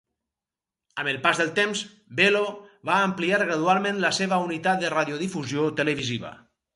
Amb el pas del temps, Belo va ampliar gradualment la seva unitat de radiodifusió televisiva.